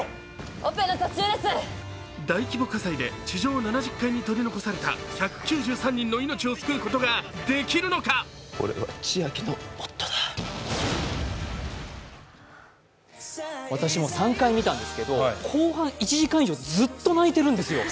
大規模火災で地上７０階に取り残された１９３人の命を救うことができるのか私も３回見たんですけど後半１時間以上ずっと泣いているんですよ。